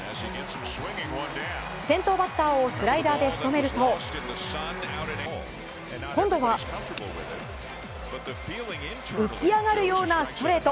先頭バッターをスライダーで仕留めると今度は浮き上がるようなストレート。